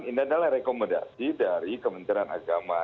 ini adalah rekomendasi dari kementerian agama